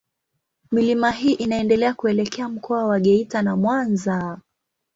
Milima hii inaendelea kuelekea Mkoa wa Geita na Mwanza.